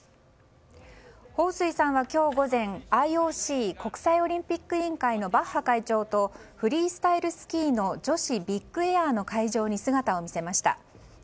ホウ・スイさんは今日午前ＩＯＣ・国際オリンピック委員会バッハ会長とフリースタイルスキーの女子ビッグエアの会場に姿を見せました。